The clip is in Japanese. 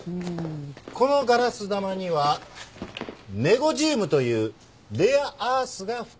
このガラス玉にはネゴジウムというレアアースが含まれてたんです。